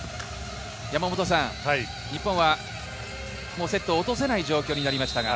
日本はもうセットを落とせない状況になりました。